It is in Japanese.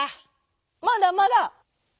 「まだまだ」。